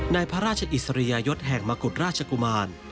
ในพระราชอิสริยยศแห่งมกุฎราชกุมาร